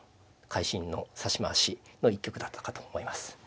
会心の指し回しの一局だったかと思います。